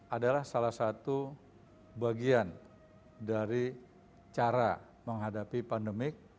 adalah salah satu bagian dari cara menghadapi pandemik